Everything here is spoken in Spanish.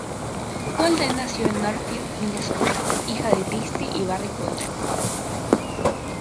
Holden nació en Northfield, Minnesota, hija de Kristi y Barry Holden.